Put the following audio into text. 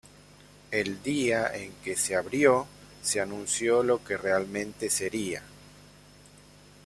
El día en que se abrió, se anunció lo que realmente sería.